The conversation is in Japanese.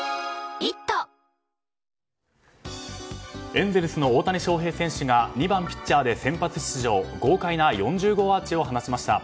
エンゼルスの大谷翔平選手が２番ピッチャーで先発出場、豪快な４０号アーチを放ちました。